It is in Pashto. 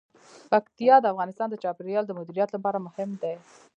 پکتیا د افغانستان د چاپیریال د مدیریت لپاره مهم دي.